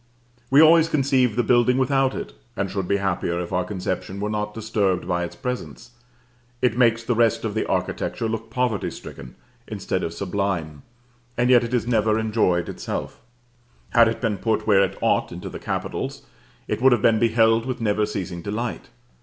We always conceive the building without it, and should be happier if our conception were not disturbed by its presence. It makes the rest of the architecture look poverty stricken, instead of sublime; and yet it is never enjoyed itself. Had it been put, where it ought, into the capitals, it would have been beheld with never ceasing delight.